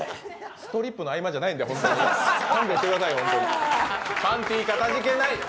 ストリップの合間じゃないんでホントに勘弁してください。